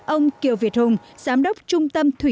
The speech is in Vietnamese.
ông kiều việt hùng giám đốc trung tâm thủy